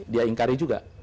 dia ingkari juga